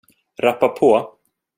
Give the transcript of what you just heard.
rappa på!